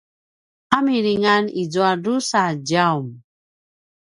a milingan izua drusa djaum